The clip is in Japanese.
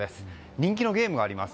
人気のゲームがあります。